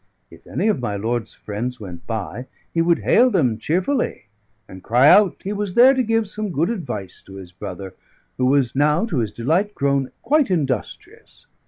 If any of my lord's friends went by, he would hail them cheerfully, and cry out he was there to give some good advice to his brother, who was now (to his delight) grown quite industrious.